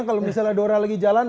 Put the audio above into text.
kalau misalnya dora lagi jalan